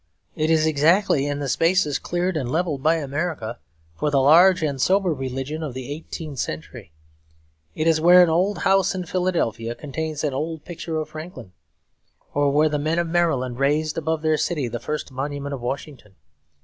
It is exactly in the spaces cleared and levelled by America for the large and sober religion of the eighteenth century; it is where an old house in Philadelphia contains an old picture of Franklin, or where the men of Maryland raised above their city the first monument of Washington.